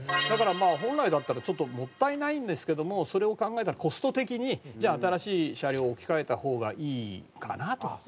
だから本来だったらちょっともったいないんですけどもそれを考えたらコスト的にじゃあ新しい車両を置き換えた方がいいかなと。